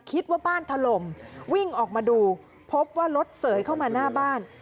คิดว่าบ้านถล่มวิ่งออกมาดูพบว่ารถเสยเข้ามาหน้าบ้าน